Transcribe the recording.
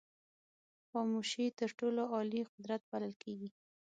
خاموشي تر ټولو عالي قدرت بلل کېږي.